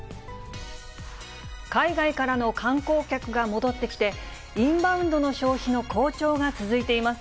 海外からの観光客が戻ってきて、インバウンドの消費の好調が続いています。